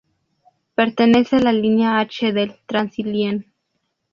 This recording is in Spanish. Pertenece a la línea H del Transilien.